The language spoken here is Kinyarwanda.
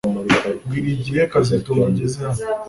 Mbwira igihe kazitunga ageze hano